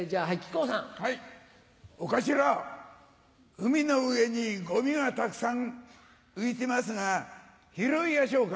海の上にゴミがたくさん浮いてますが拾いやしょうか？